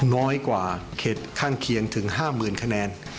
น้อยกว่าเขตข้างเคียงถึง๕๐๐๐คะแนน